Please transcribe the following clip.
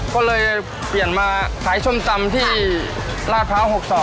ก็เลยเปลี่ยนมาขายส้มตำที่ลาดพร้าว๖๒